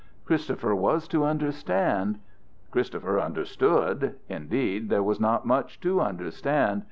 Christopher was to understand Christopher understood. Indeed there was not much to understand.